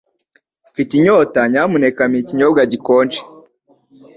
Mfite inyota. Nyamuneka mpa ikinyobwa gikonje.